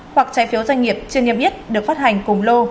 hoặc trái phiếu doanh nghiệp chưa niêm yết được phát hành cùng lô